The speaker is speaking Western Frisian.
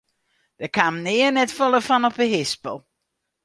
Dêr kaam nea net folle fan op de hispel.